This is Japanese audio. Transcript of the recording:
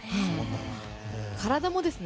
体もですね。